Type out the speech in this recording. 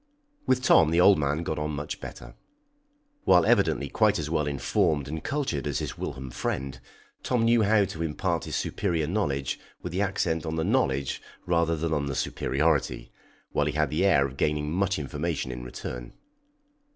With Tom the old man got on much better. While evidently quite as well informed and cultured as his whilom friend, Tom knew how to impart his superior knowledge with the accent on the knowledge rather than on the superiority, while he had the air of gaining much information in return.